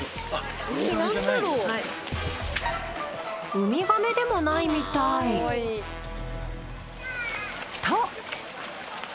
ウミガメでもないみたい。と。